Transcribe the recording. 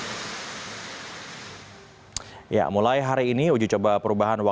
uji coba penerapan aturan ganjil genap di jalan protokol ibu kota dimulai pukul enam hingga sembilan pagi